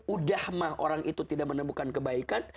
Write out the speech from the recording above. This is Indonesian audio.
udah mah orang itu tidak menemukan kebaikan